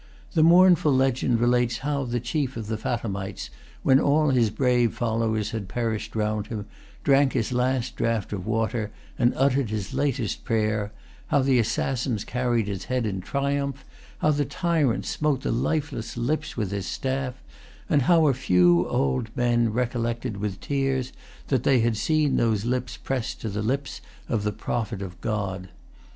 The mournful legend relates how the chief of the Fatimites, when all his brave followers had perished round him, drank his latest draught of water, and uttered his latest prayer, how the assassins carried his head in triumph, how the tyrant smote the lifeless lips with his staff, and how a few old men recollected with tears that they had seen those lips pressed to the lips of the Prophet of God.